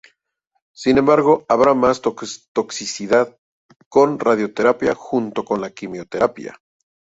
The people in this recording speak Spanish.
Sin embargo, habrá más toxicidad con radioterapia junto con la quimioterapia.